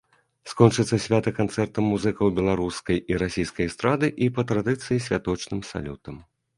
Скончыцца свята канцэртам музыкаў беларускай і расійскай эстрады і, па традыцыі, святочным салютам.